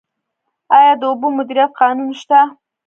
آیا د اوبو مدیریت قانون شته؟